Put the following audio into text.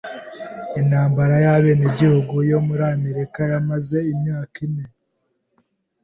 Intambara y'abenegihugu yo muri Amerika yamaze imyaka ine.